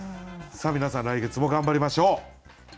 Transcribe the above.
皆さん来月も頑張りましょう。